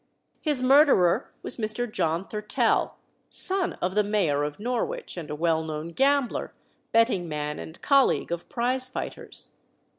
His murderer was Mr. John Thurtell, son of the Mayor of Norwich, and a well known gambler, betting man, and colleague of prize fighters.